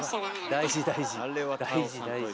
大事大事。